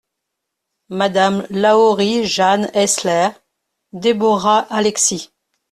Madame lahorie JANE ESSLER. deborah ALEXIS.